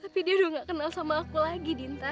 tapi dia udah gak kenal sama aku lagi dinta